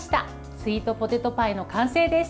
スイートポテトパイの完成です。